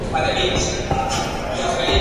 سرې منګولي به زینت وي، څېرول به عدالت وي !.